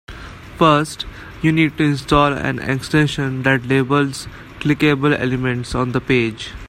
First, you need to install an extension that labels clickable elements on the page.